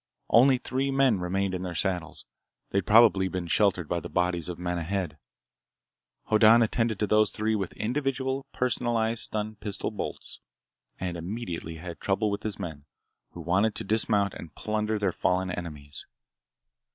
Only three men remained in their saddles—they'd probably been sheltered by the bodies of men ahead. Hoddan attended to those three with individual, personalized stun pistol bolts—and immediately had trouble with his men, who wanted to dismount and plunder their fallen enemies.